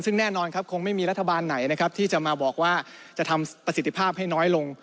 ซึ่งแน่นอนครับคงไม่มีรัฐบาลไหนนะครับที่จะมาบอกว่าจะทำประสิทธิภาพให้น้อยลง